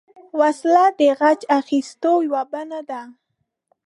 وسله د غچ اخیستو یوه بڼه ده